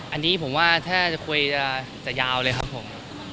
อันนี้ผมว่าถ้าจะคุยจะยาวเลยครับผม